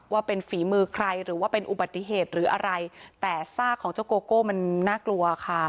ว่าเป็นฝีมือใครหรือว่าเป็นอุบัติเหตุหรืออะไรแต่ซากของเจ้าโกโก้มันน่ากลัวค่ะ